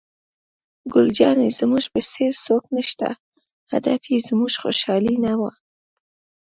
ګل جانې: زموږ په څېر څوک نشته، هدف یې زموږ خوشحالي نه وه.